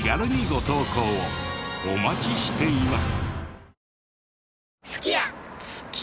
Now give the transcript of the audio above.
お待ちしています。